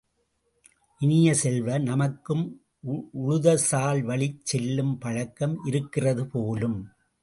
இனிய செல்வ, நமக்கும் உழுதசால் வழிச் செல்லும் பழக்கம் இருக்கிறது போலும்!